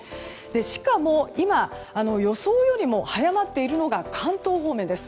しかも今予想よりも早まっているのが関東方面です。